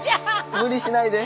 無理しないで。